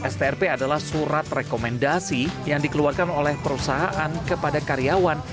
strp adalah surat rekomendasi yang dikeluarkan oleh perusahaan kepada karyawan